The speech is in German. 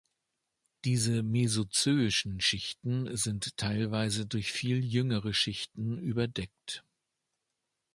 Diese mesozöischen Schichten sind teilweise durch viel jüngere Schichten überdeckt.